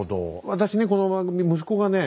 私ねこの番組息子がね